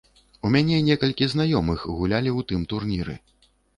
У мяне некалькі знаёмых гулялі ў тым турніры.